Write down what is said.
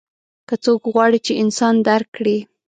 که څوک غواړي چې انسان درک کړي.